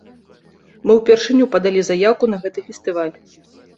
Мы ўпершыню падалі заяўку на гэты фестываль.